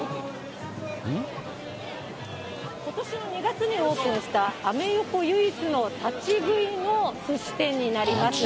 ことしの２月にオープンした、アメ横唯一の立ち食いのすし店になります。